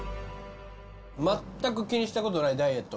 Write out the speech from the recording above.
まったく気にしたことない？